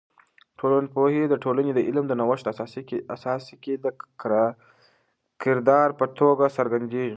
ټولنپوهی د ټولنې د علم د نوښت اساسي کې د کردار په توګه څرګندیږي.